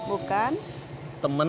bukan ya kan